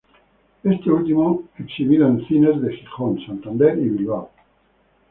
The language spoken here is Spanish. Este último exhibido en cines de Gijón, Santander y Bilbao.